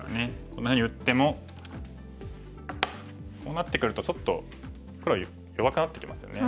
こんなふうに打ってもこうなってくるとちょっと黒弱くなってきますよね。